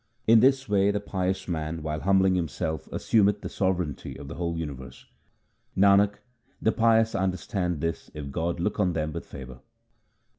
In this way the pious man, while humbling himself, assumeth the sovereignty of the whole universe. 1 Nanak, the pious understand this if God look on them with favour.